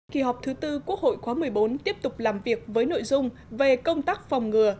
kỳ họp thứ tư quốc hội khóa một mươi bốn tiếp tục làm việc với nội dung về công tác phòng ngừa